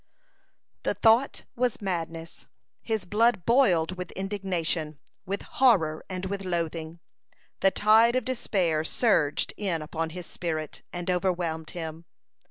The thought was madness. His blood boiled with indignation, with horror, and with loathing. The tide of despair surged in upon his spirit, and overwhelmed him.